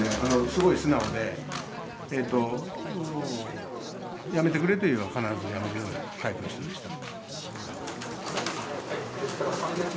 すごい素直で、やめてくれと言えば必ずやめてくれるようなタイプの人でした。